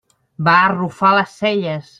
Va arrufar les celles.